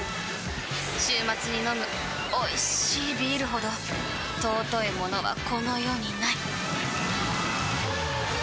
週末に飲むおいしいビールほど尊いものはこの世にない！